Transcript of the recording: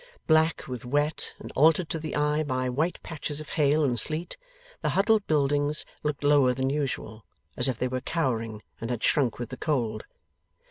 Black with wet, and altered to the eye by white patches of hail and sleet, the huddled buildings looked lower than usual, as if they were cowering, and had shrunk with the cold.